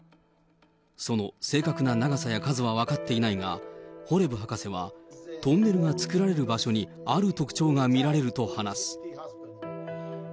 その正確な長さや数は分かっていないが、ホレブ博士はトンネルが作られる場所にある特徴が見られると話す。